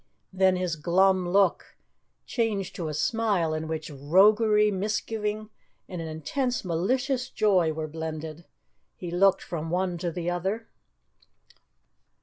Then his glum look changed to a smile in which roguery, misgiving, and an intense malicious joy were blended. He looked from one to the other.